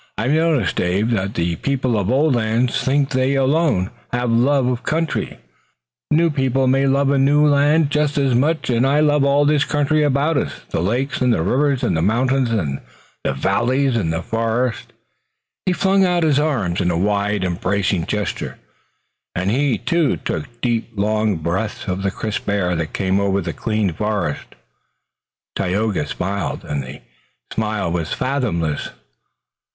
I've noticed, Dave, that the people of old lands think they alone have love of country. New people may love a new land just as much, and I love all this country about us, the lakes, and the rivers, and the mountains and the valleys and the forests." He flung out his arms in a wide, embracing gesture, and he, too, took deep long breaths of the crisp air that came over the clean forest. Tayoga smiled, and the smile was fathomless.